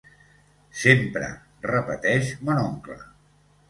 Sempre, repeteix mon oncle.